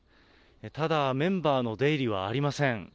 ただ、メンバーの出入りはありません。